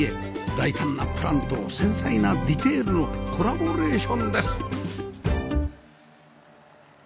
大胆なプランと繊細なディテールのコラボレーションです